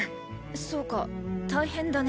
そうか大変だね。